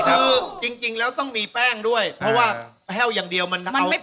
คือจริงแล้วต้องมีแป้งด้วยเพราะว่าแห้วอย่างเดียวมันเอา